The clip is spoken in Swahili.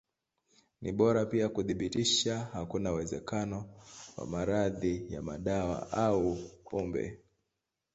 Ni bora pia kuthibitisha hakuna uwezekano wa madhara ya madawa au pombe.